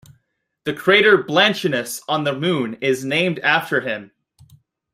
The crater Blanchinus on the Moon is named after him.